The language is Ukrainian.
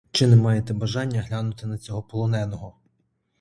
Чи не маєте бажання глянути на цього полоненого.